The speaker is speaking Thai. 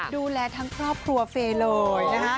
ดูแลทั้งครอบครัวเฟย์เลยนะฮะ